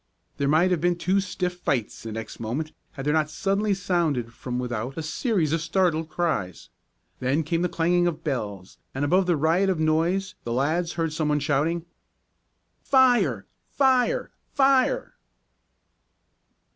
There might have been two stiff fights the next moment had there not suddenly sounded from without a series of startled cries. Then came the clanging of bells, and above the riot of noise the lads heard some one shouting: "Fire! Fire! Fire!"